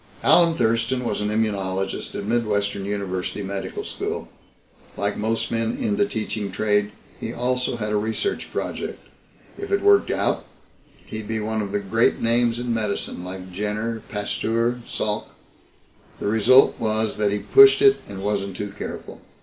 "Alan Thurston was an immunologist at Midwestern University Medical School. Like most men in the teaching trade, he also had a research project. If it worked out, he'd be one of the great names in medicine; like Jenner, Pasteur, and Salk. The result was that he pushed it and wasn't too careful.